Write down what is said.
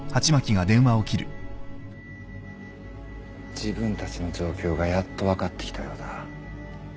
自分たちの状況がやっと分かってきたようだ。